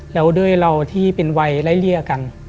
แล้วด้วยเราที่เป็นวัยร้ายละเอียกกัน